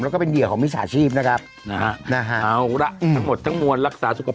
แล้วก็เป็นเหยื่อของวิศาชีพนะครับ